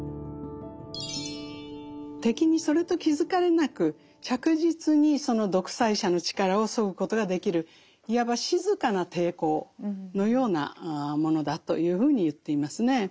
敵にそれと気付かれなく着実にその独裁者の力をそぐことができるいわば静かな抵抗のようなものだというふうに言っていますね。